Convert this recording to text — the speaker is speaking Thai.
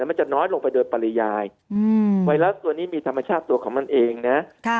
มันจะน้อยลงไปโดยปริยายไวรัสตัวนี้มีธรรมชาติตัวของมันเองนะ